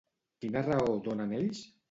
Quina raó donen ells?